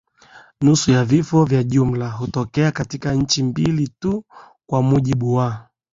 nusu ya vifo vya jumla hutokea katika nchi mbili tu kwa mujibu wa